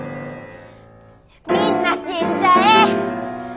みんな死んじゃえ！